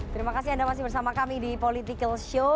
terima kasih anda masih bersama kami di politikalshow